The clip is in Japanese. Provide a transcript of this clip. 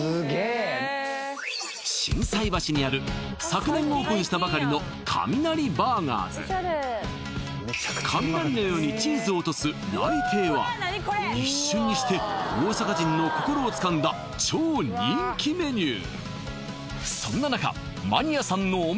心斎橋にある昨年オープンしたばかりのＫＡＭＩＮＡＲＩＢＵＲＧＥＲＳ雷のようにチーズを落とす雷霆は一瞬にして大阪人の心をつかんだ超人気メニュー